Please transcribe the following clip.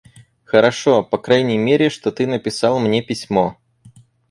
Хорошо, по крайней мере, что ты написал мне письмо.